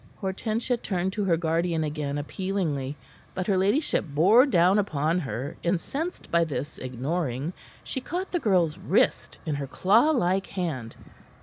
Hortensia turned to her guardian again appealingly. But her ladyship bore down upon her, incensed by this ignoring; she caught the girl's wrist in her claw like hand.